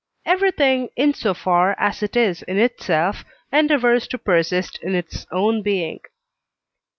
Everything, in so far as it is in itself, endeavours to persist in its own being.